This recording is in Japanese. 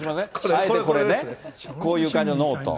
あえてこれね、こういう感じのノート。